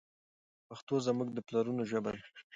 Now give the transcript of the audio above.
پښتو زموږ د پلرونو ژبه ده.